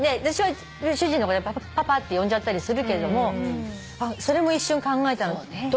私は主人のことパパって呼んじゃったりするけれどもそれも一瞬考えたの。